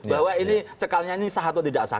bahwa ini cekalnya ini sah atau tidak sah